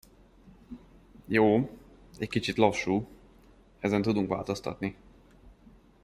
Jó, egy kicsit lassú, ezen tudunk változtatni.